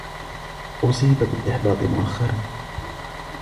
أصيب بالإحباط مؤخرا.